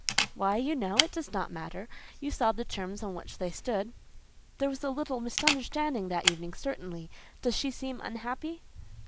"Why, you know, it does not matter. You saw the terms on which they stood." "There was a little misunderstanding that evening, certainly; does she seem unhappy?"